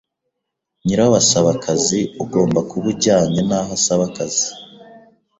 nyirawo asaba akazi ugomba kuba ujyanye n’aho asaba akazi.